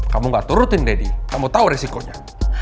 kamu gak turutin daddy kamu tahu risikonya